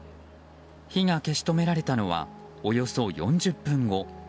火が消し止められたのはおよそ４０分後。